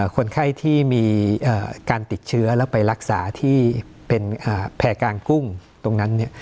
คนไข้ที่มีการติดเชื้อแล้วไปรักษาที่เป็นแพร่กลางกุ้งตรงนั้น